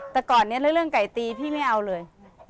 แต่ก่อนนี้เรื่องไก่ตีพี่ไม่เอาเลย